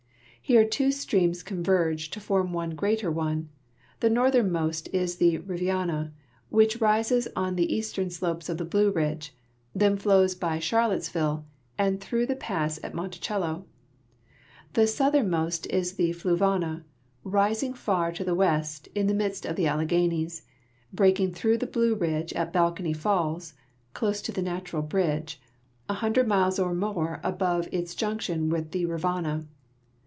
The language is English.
Here two streams converge to form one greater one ; the northern most is the Rivanna, which rises on the eastern slopes of the Blue Ridge, then flows by Charlottesville and through the pass at Monticello; the southernmost the Fluvanna, rising far to the west in the midst of the Alleghanies, breaking through the Blue Ridge at Balcony hills (close to the Natural bridge), a hundred miles or more above its junction with the Rivanna.